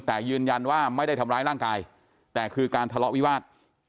แต่ยืนยันว่าไม่ได้ทำร้ายร่างกายแต่คือการทะเลาะวิวาส